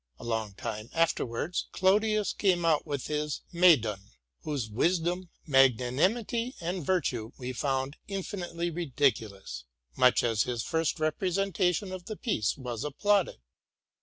<A long time afterwards, Clodius came out with his '* Medon,'' whose wisdom, mag nanimity, and virtue we found infinitely ridiculous, much as the first representation of the piece was applauded.